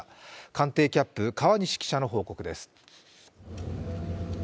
官邸キャップ、川西記者の報告です。